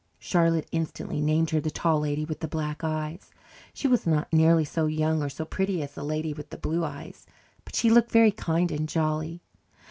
Charlotte instantly named her the Tall Lady with the Black Eyes. She was not nearly so young or so pretty as the Lady with the Blue Eyes, but she looked very kind and jolly.